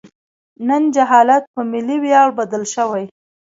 نن جهالت په ملي ویاړ بدل شوی.